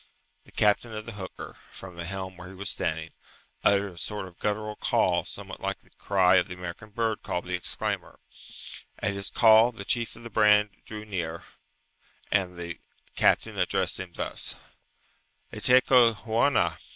The captain of the hooker, from the helm where he was standing, uttered a sort of guttural call somewhat like the cry of the American bird called the exclaimer; at his call the chief of the brand drew near, and the captain addressed him thus, "Etcheco Jaüna."